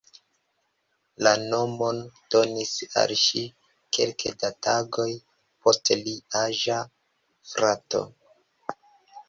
La nomon donis al ŝi kelke da tagoj poste pli aĝa frato.